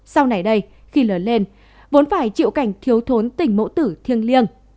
sau này đây khi lớn lên vốn phải chịu cảnh thiếu thốn tình mẫu tử thiêng liêng